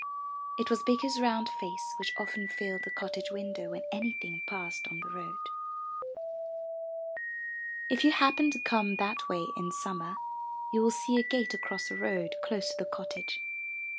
It was Bikku's round face which often filled the cottage window when any thing passed on the road. If you happen to come that way in Summer, you will see a gate across the road close to the cottage.